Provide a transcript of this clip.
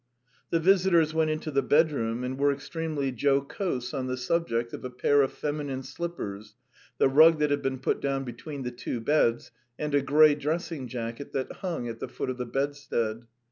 The visitors went into the bedroom, and were extremely jocose on the subject of a pair of feminine slippers, the rug that had been put down between the two beds, and a grey dressing jacket that hung at the foot of the bedstead.